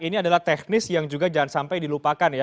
ini adalah teknis yang juga jangan sampai dilupakan ya